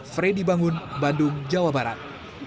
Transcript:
freddy bangun bandung jawa barat